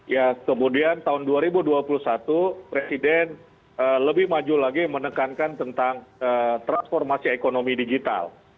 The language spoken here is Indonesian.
ya kemudian tahun dua ribu dua puluh satu presiden lebih maju lagi menekankan tentang transformasi ekonomi digital